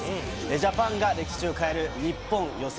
ジャパンが歴史を変える日本予選